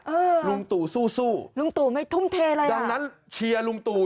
เออลุงตู่สู้สู้ลุงตู่ไม่ทุ่มเทอะไรดังนั้นเชียร์ลุงตู่